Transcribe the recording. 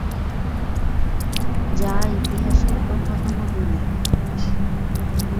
যা ইতিহাসের অন্যতম দলিল।